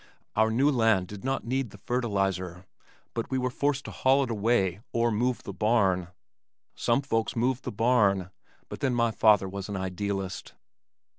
Our new land did not need the fertilizer, but we were forced to haul it away or move the barn. Some folks moved the barn. But then my father was an idealist.